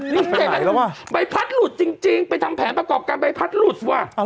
นี่เห็นไหมใบพัดหลุดจริงไปทำแผนประกอบการใบพัดหลุดว่ะ